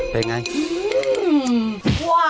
เป็นอย่างไร